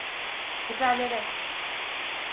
Siperlere!